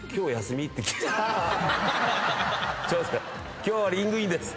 今日はリングインです。